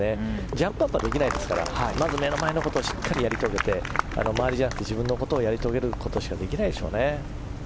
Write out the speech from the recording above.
ジャンプアップはできないですからまず目の前のことをしっかりやり遂げて自分のことをやり遂げることしかできないでしょうね。